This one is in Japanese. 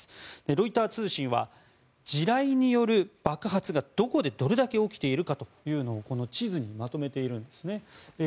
ロイター通信は地雷による爆発がどこでどれだけ起きているのかというのをこの地図にまとめているんですね。